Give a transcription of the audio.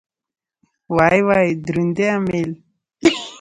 وای وای دروند دی امېل.